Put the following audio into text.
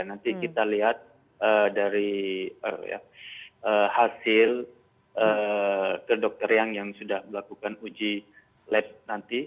nanti kita lihat dari hasil ke dokter yang sudah melakukan uji lab nanti